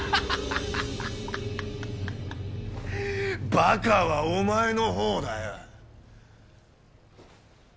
バカはお前のほうだよ！